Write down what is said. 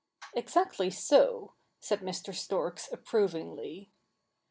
' Exactly so,' said Mr. Storks approvingly.